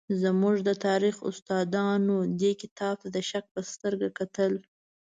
زموږ د تاریخ استادانو دې کتاب ته د شک په سترګه کتل.